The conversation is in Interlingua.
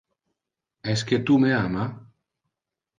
Esque tu me ama?